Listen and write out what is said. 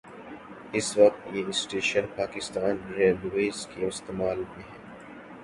اس وقت یہ station Pakistan railways کے استعمال میں ہے